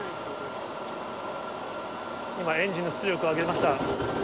今、エンジンの出力を上げました。